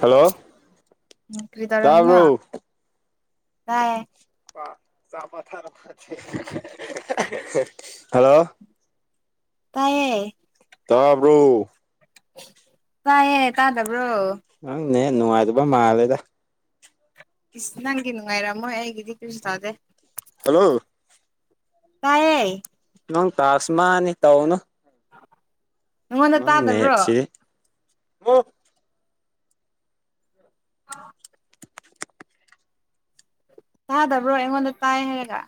hello ꯎ ꯀ꯭ꯔꯤ ꯇꯔꯃꯤ ꯇꯥꯕ꯭ꯔꯣ ꯀꯥꯏ ꯑꯟꯏꯟꯇꯦꯜꯂꯤꯖꯦꯕꯜ ꯇꯥꯏꯑꯌꯦ ꯇꯥꯕ꯭ꯔꯣ ꯇꯥꯏꯌꯦ ꯇꯥꯗꯕ꯭ꯔꯣ ꯅꯪ ꯅꯦꯠ ꯅꯨꯡꯉꯥꯏꯗꯨꯕ ꯃꯥꯜꯂꯦꯗ ꯏꯁ ꯅꯪꯒꯤ ꯅꯨꯡꯉꯥꯏꯔꯝꯃꯣꯏ ꯑꯩꯒꯤꯗꯤ ꯀꯩꯁꯨ ꯇꯥꯗꯦ ꯍꯜꯂꯣ ꯇꯥꯏꯌꯦ ꯅꯪ ꯇꯥꯥꯁꯃꯥꯅꯤ ꯇꯧꯅꯨ ꯑꯩꯉꯣꯟꯗ ꯂ ꯇꯥꯗꯕ꯭ꯔꯣ ꯅꯠꯁꯤ ꯑ ꯆꯥꯗꯕ꯭ꯔꯣ ꯑꯩꯉꯣꯟꯗ ꯇꯥꯏ ꯍꯥꯏꯔꯒ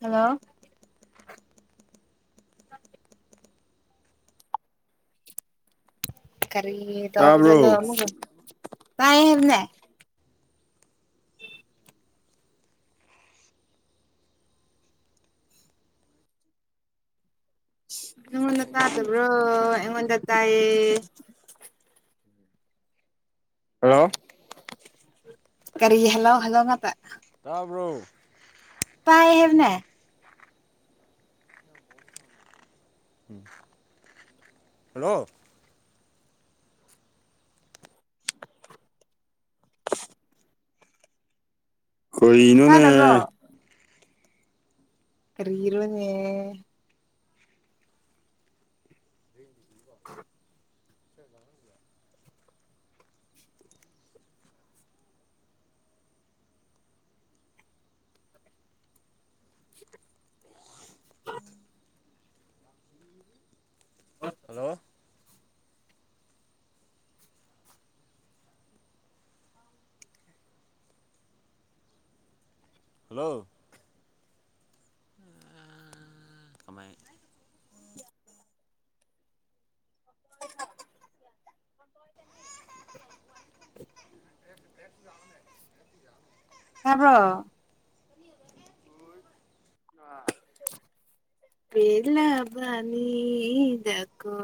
ꯍꯜꯂꯣ [inaudible] ꯈꯔꯤ ꯇꯗ ꯇꯥꯕ꯭ꯔꯣ ꯑꯃ ꯉ ꯍꯥꯏꯕꯅꯦ [inaudible] ꯅꯉꯣꯟꯗ ꯇꯥꯗꯕ꯭ꯔꯣ ꯑꯩꯉꯣꯟꯗ ꯇꯥꯏꯌꯦ ꯍꯜꯂꯣ ꯀꯔꯤ ꯍꯜꯂꯣ ꯍꯜꯂꯣ ꯃꯥꯆꯥ ꯇꯥꯕ꯭ꯔꯨ ꯄꯥꯏ ꯍꯥꯏꯦꯕꯅꯦ ꯍꯜꯂꯣ ꯑꯩꯣꯏ ꯏꯣꯅꯦ ꯇꯥꯗꯕ꯭ꯔꯣ ꯔꯤꯔꯣꯅꯦꯦ [inaudible] ꯍꯜꯂꯣ ꯍꯜꯂꯣ ꯀꯃꯥꯏ ꯌꯥꯕ꯭ꯔꯣ ꯄꯦꯂꯕꯥꯅꯤ ꯌꯥꯀꯣ